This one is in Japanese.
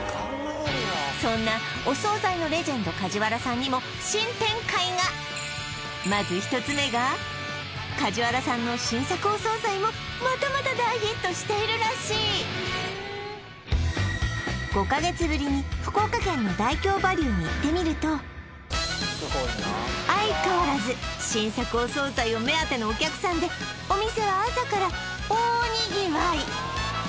そんなお惣菜のレジェンド梶原さんにも新展開がまず１つ目が梶原さんの新作お惣菜もまたまた大ヒットしているらしい福岡県の相変わらず新作お惣菜を目当てのお客さんでお店は朝から大賑わい